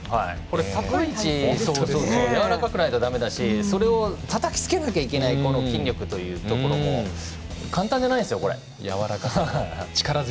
高い位置でやわらかくないだめだしそれをたたきつけないといけないこの筋力というところも簡単じゃないですよ。